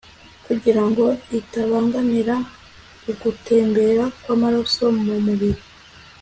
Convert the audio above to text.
kugira ngo itabangamira ugutembera kwamaraso mu mubiri